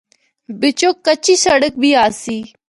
بِچّو کچی سڑک بھی آسی۔